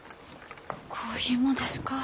コーヒーもですか。